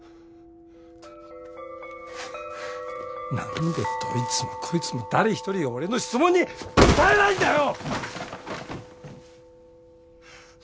何でどいつもこいつも誰一人俺の質問に答えないんだよ！